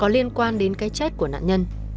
liên quan đến cái chết của nạn nhân